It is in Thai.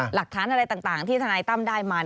หลักฐานอะไรต่างที่ทนายตั้มได้มา